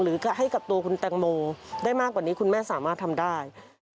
ให้กับตัวคุณแตงโมได้มากกว่านี้คุณแม่สามารถทำได้